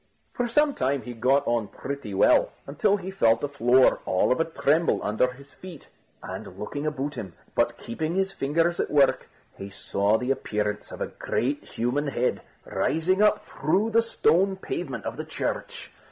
For some time he got on pretty well, until he felt the floor all of a tremble under his feet; and looking about him, but keeping his fingers at work, he saw the appearance of a great human head rising up through the stone pavement of the church.